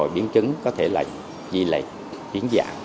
biến chứng có thể là di lệch biến dạng